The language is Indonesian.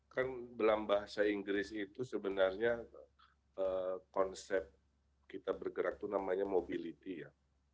kan dalam bahasa inggris itu sebenarnya konsep kita bergerak itu namanya mobility ya